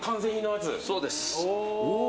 そうです。